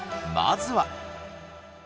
まずは。